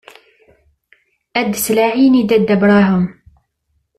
Ad s-laɛin i Dda Brahem.